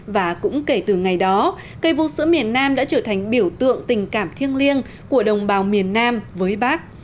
và cũng kể từ ngày đó cây vũ sữa miền nam đã trở thành biểu tượng tình cảm thiêng liêng của đồng bào miền nam với bác